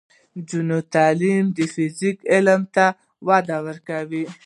د نجونو تعلیم د فزیک علم ته وده ورکوي.